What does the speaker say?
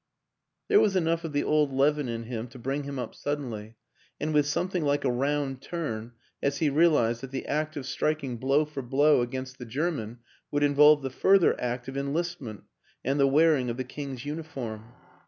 There was enough of the old leaven in him to bring him up suddenly, and with something like a round turn, as he realized that the act of striking blow for blow against the German would involve the further act of enlistment and the wearing of the King's uniform.